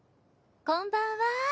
こんばんは。